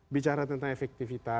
bicara tentang efektivitas